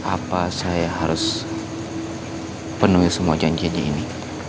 apa saya harus penuhi semua janji janji ini